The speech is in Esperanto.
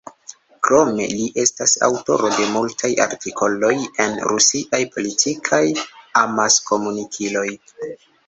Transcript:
Krome, li estas aŭtoro de multaj artikoloj en rusiaj politikaj amaskomunikiloj.